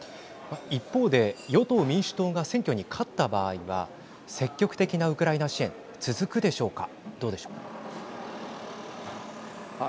一方で与党・民主党が選挙に勝った場合は積極的なウクライナ支援続くでしょうか。